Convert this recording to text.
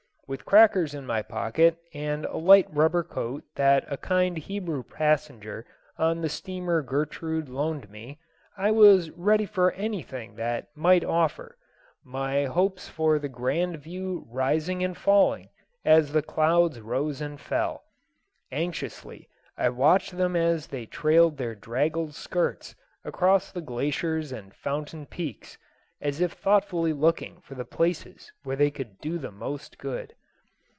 With crackers in my pocket and a light rubber coat that a kind Hebrew passenger on the steamer Gertrude loaned me, I was ready for anything that might offer, my hopes for the grand view rising and falling as the clouds rose and fell. Anxiously I watched them as they trailed their draggled skirts across the glaciers and fountain peaks as if thoughtfully looking for the places where they could do the most good.